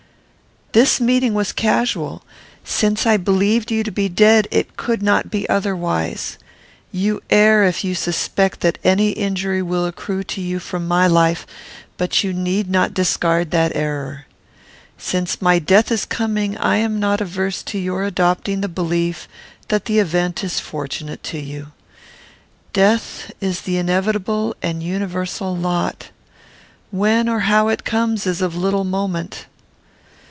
"This meeting was casual. Since I believed you to be dead, it could not be otherwise. You err, if you suppose that any injury will accrue to you from my life; but you need not discard that error. Since my death is coming, I am not averse to your adopting the belief that the event is fortunate to you. "Death is the inevitable and universal lot. When or how it comes, is of little moment.